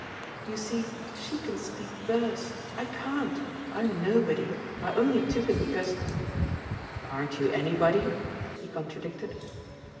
You see she can speak verse. I can't. I'm nobody. I only took it because " "Aren't you anybody?" he contradicted.